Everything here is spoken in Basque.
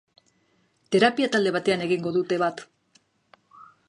Terapia talde batean egingo dute bat.